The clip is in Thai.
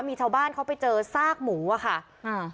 มีชาวบ้านเขาไปเจอซากหมูอ่ะค่ะอ่า